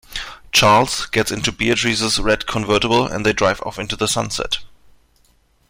Charles gets into Beatrice's red convertible and they drive off into the sunset.